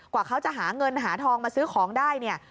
กว่าเขาจะหาเงินหาทองมาซื้อของได้เนี่ย